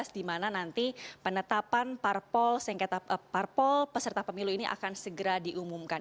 di mana nanti penetapan parpol peserta pemilu ini akan segera diumumkan